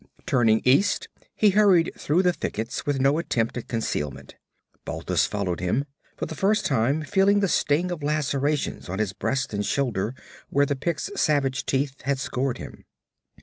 Turning east he hurried through the thickets with no attempt at concealment. Balthus followed him, for the first time feeling the sting of lacerations on his breast and shoulder where the Pict's savage teeth had scored him.